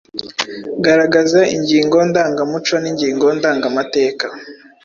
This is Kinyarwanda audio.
Garagaza ingingo ndangamuco n’ingingo ndangamateka